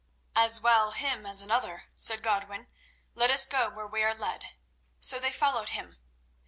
"As well him as another," said Godwin. "Let us go where we are led." So they followed him.